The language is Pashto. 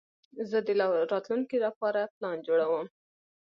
زه د راتلونکي لپاره پلان جوړوم.